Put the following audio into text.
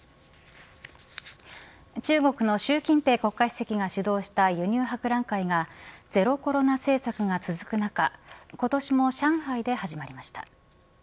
中国の習近平国家主席が主導した輸入博覧会がゼロコロナ政策が続く中今年も上海で始まりました。